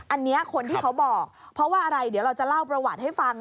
อันนี้คนที่เขาบอกเพราะว่าอะไรเดี๋ยวเราจะเล่าประวัติให้ฟัง